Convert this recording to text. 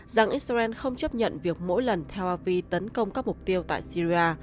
rằng israel không chấp nhận việc mỗi lần tel avi tấn công các mục tiêu tại syria